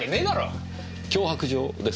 脅迫状ですか？